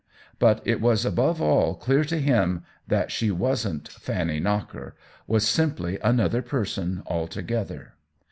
But it was above all clear to him that she wasn't Fanny Knocker — was simply another person altogether.